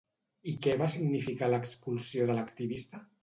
I què va significar l'expulsió de l'activista?